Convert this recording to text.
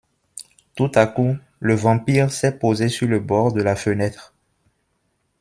Tout à coup, le vampire s'est posé sur le bord de la fenêtre.